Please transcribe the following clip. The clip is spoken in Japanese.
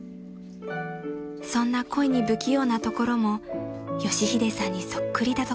［そんな恋に不器用なところも佳秀さんにそっくりだとか］